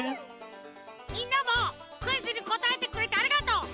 みんなもクイズにこたえてくれてありがとう。